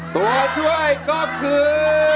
ตัวช่วยก็คือ